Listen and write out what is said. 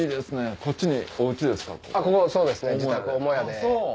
ここそうですね自宅母屋で。